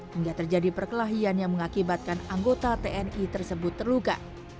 hingga terjadi perkelahian yang mengakibatkan anggota tni tersebut terluka